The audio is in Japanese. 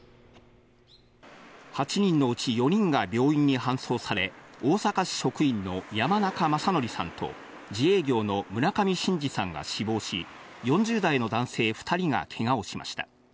８人のうち４人が病院に搬送され、大阪市職員の山中正規さんと自営業の村上伸治さんが死亡し、４０代の男性２人がけがをしました。